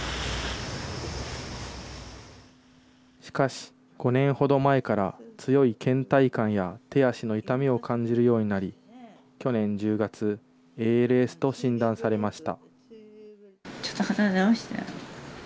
しかし、５年ほど前から強いけん怠感や手足の痛みを感じるようになり、去年１０月、ＡＬＳと診断されました。